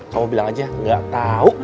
kamu bilang aja gak tahu